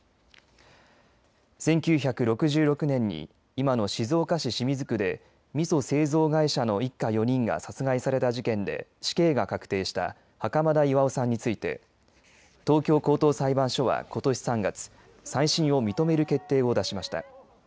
１９６６年に今の静岡市清水区でみそ製造会社の一家４人が殺害された事件で死刑が確定した袴田巌さんについて東京高等裁判所はことし３月再審を認める決定を出しました。